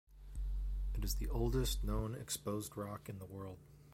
It is the oldest known exposed rock in the world.